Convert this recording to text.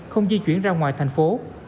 không di chuyển ra ngoài thành phố